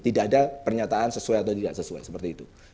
tidak ada pernyataan sesuai atau tidak sesuai seperti itu